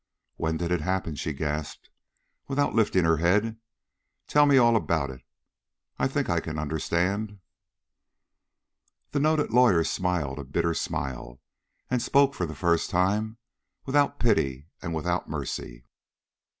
"When did it happen?" she gasped, without lifting her head. "Tell me all about it. I think I can understand." The noted lawyer smiled a bitter smile, and spoke for the first time, without pity and without mercy.